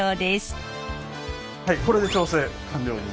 はいこれで調整完了に。